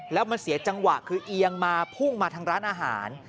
แล้วมันเสียจังหวะคือเอียงมาพุ่งมาทางร้านอาหาร